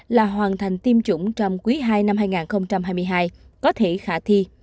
là hoàn thành tiêm chủng trong quý ii năm hai nghìn hai mươi hai có thể khả thi